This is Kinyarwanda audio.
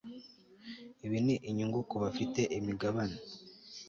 ibi ni inyungu ku bafite imigabane